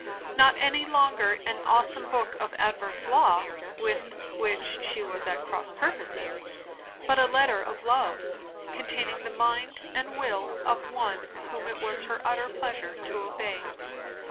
Not any longer an awesome book of adverse law, with which she was at cross purposes; but a letter of love, containing the mind and will of One whom it was her utter pleasure to obey.